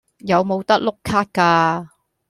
有冇得碌卡㗎